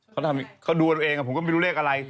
เขาดูตัวเองอะผมก็ไม่รู้เลขอะไร